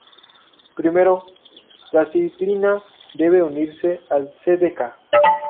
Primero, la ciclina debe unirse al Cdk.